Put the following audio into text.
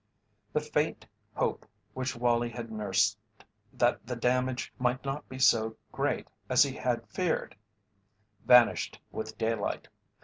The faint hope which Wallie had nursed that the damage might not be so great as he had feared vanished with daylight.